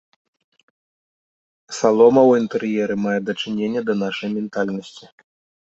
Салома ў інтэр'еры мае дачыненне да нашай ментальнасці.